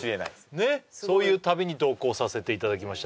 ねっそういう旅に同行させていただきました